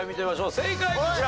正解こちら。